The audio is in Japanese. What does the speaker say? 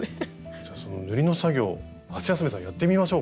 じゃその塗りの作業ハシヤスメさんやってみましょうか。